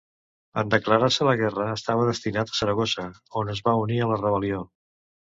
En declarar-se la guerra estava destinat a Saragossa, on es va unir a la rebel·lió.